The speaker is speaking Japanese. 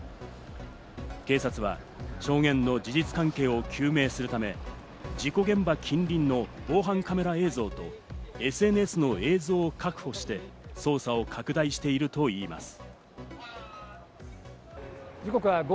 警察は証言の事実関係を究明するため、事故現場近隣の防犯カメラ映像とＳＮＳの映像を確保して、捜査を拡大しているといいます。